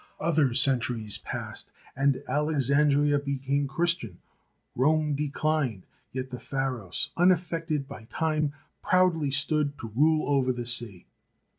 Other centuries passed and Alexandria became Christian ; Rome declined, yet the Pharos, unaffected by time, proudly stood to rule over the sea.